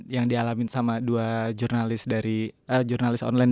yang dialamin sama dua jurnalis online